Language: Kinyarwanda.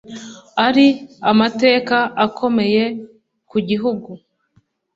ari amateka akomeye ku gihugu